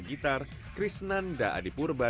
gitar krisnanda adipurba